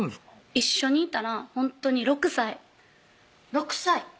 一緒にいたらほんとに６歳６歳？